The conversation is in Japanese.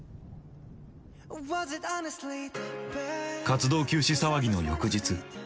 活動休止騒ぎの翌日。